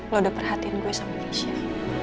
lo udah perhatikan gue sama aisyah